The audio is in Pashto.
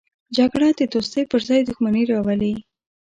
جګړه د دوستۍ پر ځای دښمني راولي